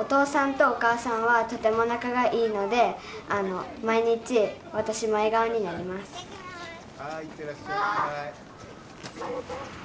お父さんとお母さんはとても仲がいいので毎日私も笑顔になりますいってらっしゃい。